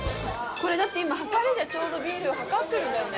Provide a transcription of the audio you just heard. これ、だって、今、はかりでちょうどビールを量ってるんだよね。